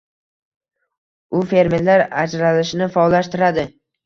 U fermentlar ajralishini faollashtiradi.